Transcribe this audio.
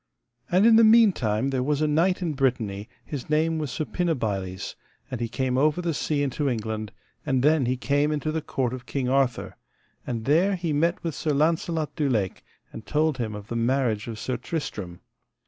And in the meantime there was a knight in Brittany, his name was Suppinabiles, and he came over the sea into England, and then he came into the court of King Arthur, and there he met with Sir Launcelot du Lake, and told him of the marriage of Sir Tristram.